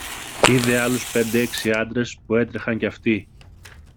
είδε άλλους πέντε-έξι άντρες που έτρεχαν και αυτοί.